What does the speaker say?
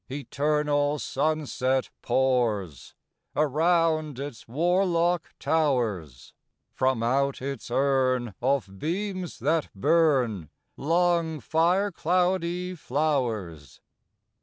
Eternal sunset pours, Around its warlock towers, From out its urn of beams that burn, Long fire cloudy flowers.